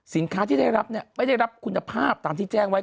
ที่ได้รับไม่ได้รับคุณภาพตามที่แจ้งไว้